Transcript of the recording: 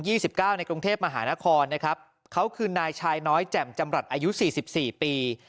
สิบเก้าในกรุงเทพมหานครนะครับเขาคือนายชายน้อยแจ่มจำรัฐอายุสี่สิบสี่ปี